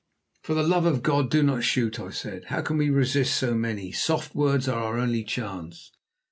"For the love of God, do not shoot!" I said. "How can we resist so many? Soft words are our only chance."